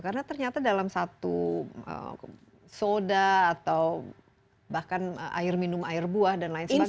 karena ternyata dalam satu soda atau bahkan air minum air buah dan lain sebagainya